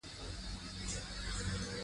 کندز سیند د ټولو افغانانو ژوند اغېزمن کوي.